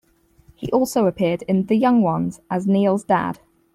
He also appeared in "The Young Ones" as Neil's dad.